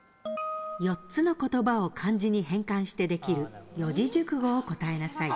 ４つの言葉を漢字に変換してできる四字熟語を答えなさい。